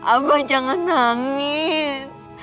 abah jangan nangis